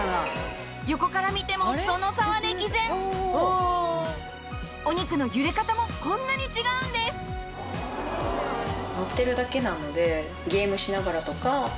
横から見てもその差は歴然お肉の揺れ方もこんなに違うんです乗ってるだけなので。